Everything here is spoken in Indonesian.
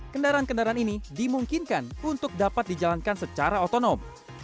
kendaraan kendaraan ini dimungkinkan untuk dapat dijalankan secara otonom